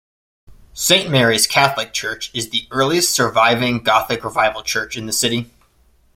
Saint Mary's Catholic Church is the earliest surviving Gothic revival church in the city.